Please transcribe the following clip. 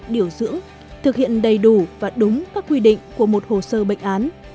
điều dưỡng thực hiện đầy đủ và đúng các quy định của một hồ sơ bệnh án